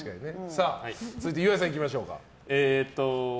続いて岩井さん、いきましょうか。